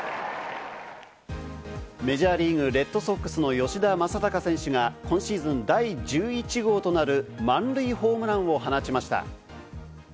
メジャーリーグ、レッドソックスの吉田正尚選手が今シーズン第１１号となる満塁ホームランを放ちました。